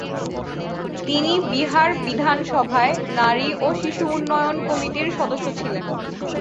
তিনি বিহার বিধানসভায় নারী ও শিশু উন্নয়ন কমিটির সদস্য ছিলেন।